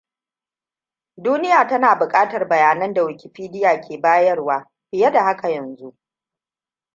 Duniya tana bukatar bayanan da Wikipeidia ka bayarwa, fiye da haka yanzu.